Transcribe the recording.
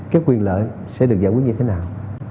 cái quyền lợi sẽ được giải quyết như thế nào